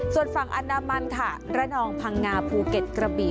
ส่วนฝั่งอันดามันค่ะระนองพังงาภูเก็ตกระบี่